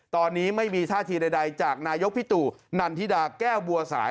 ตอนนี้ไม่มีท่าทีใดจากนายกพี่ตู่นันทิดาแก้วบัวสาย